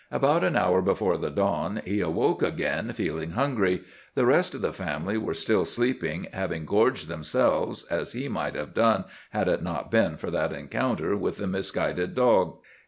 About an hour before the dawn he awoke again, feeling hungry. The rest of the family were still sleeping, having gorged themselves, as he might have done had it not been for that encounter with the misguided dog.